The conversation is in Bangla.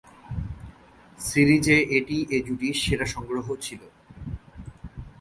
সিরিজে এটিই এ জুটির সেরা সংগ্রহ ছিল।